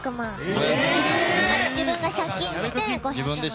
自分が借金して５００万。